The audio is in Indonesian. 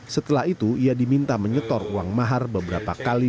setelah itu ia diminta menyetor uang mahar beberapa kali